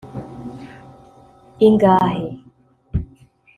ingahe